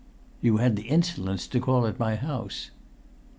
"You had the insolence to call at my house."